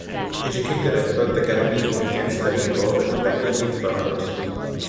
Educated at the Perth Academy, he began studying law, but abandoned it for art.